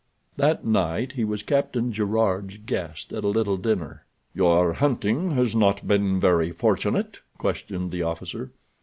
That night he was Captain Gerard's guest at a little dinner. "Your hunting has not been very fortunate?" questioned the officer.